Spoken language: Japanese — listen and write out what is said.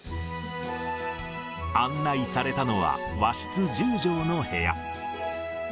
案内されたのは、和室１０畳の部屋。